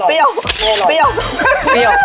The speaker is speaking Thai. เปรี้ยว